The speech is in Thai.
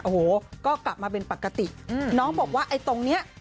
โอ้โหก็กลับมาเป็นปกติน้องบอกว่าไอ้ตรงเนี้ย